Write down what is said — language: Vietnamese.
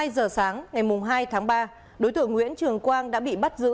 hai giờ sáng ngày hai tháng ba đối tượng nguyễn trường quang đã bị bắt giữ